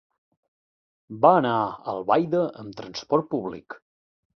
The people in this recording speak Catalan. Va anar a Albaida amb transport públic.